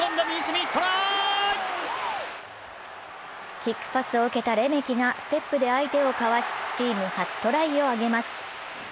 キックパスを受けたレメキがステップで相手をかわし、チーム初トライを挙げます。